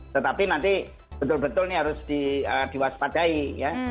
tetapi nanti betul betul ini harus diwaspadai ya